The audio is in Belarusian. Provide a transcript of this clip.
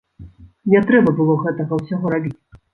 Не трэба было гэтага ўсяго рабіць!